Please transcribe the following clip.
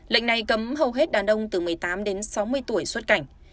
lệnh này cấm hầu hết đàn đông từ một mươi tám đến sáu mươi tuổi xuất cảnh